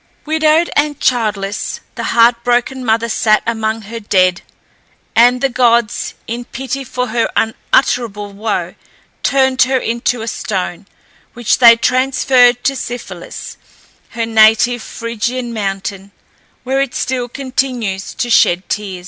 Widowed and childless, the heart broken mother sat among her dead, and the gods, in pity for her unutterable woe, turned her into a stone, which they transferred to Siphylus, her native Phrygian mountain, where it still continues to shed tears.